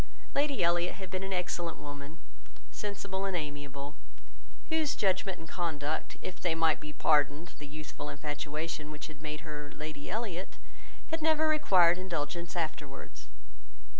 Lady Elliot had been an excellent woman, sensible and amiable; whose judgement and conduct, if they might be pardoned the youthful infatuation which made her Lady Elliot, had never required indulgence afterwards.